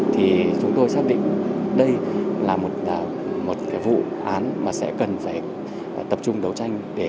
thì chúng tôi xác định đây là một vụ án mà sẽ cần phải tập trung đấu tranh